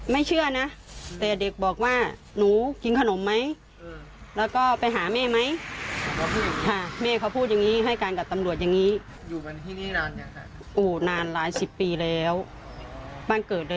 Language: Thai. นี่จอดแถวโรงเรียนบ้างไหม